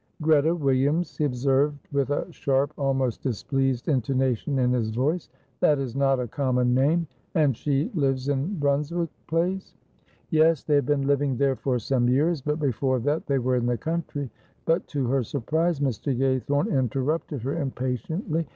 "Greta Williams," he observed, with a sharp, almost displeased intonation in his voice. "That is not a common name. And she lives in Brunswick Place?" "Yes; they have been living there for some years, but before that they were in the country." But to her surprise Mr. Gaythorne interrupted her impatiently.